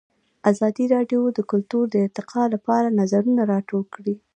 ازادي راډیو د کلتور د ارتقا لپاره نظرونه راټول کړي.